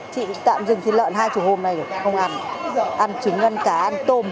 chị tạm dừng thịt lợn hai chủ hôm này không ăn ăn trứng ăn cá ăn tôm